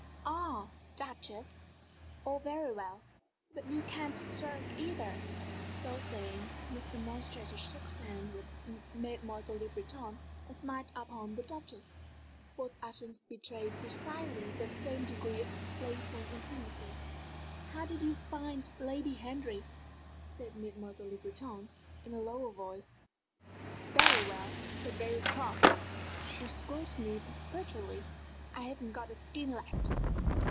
Ah, Duchess! All very well but you can't shirk either!" So saying, Mr. Montresor shook hands with Mademoiselle Le Breton and smiled upon the Duchess both actions betraying precisely the same degree of playful intimacy. "How did you find Lady Henry?" said Mademoiselle Le Breton, in a lowered voice. "Very well, but very cross. She scolds me perpetually I haven't got a skin left.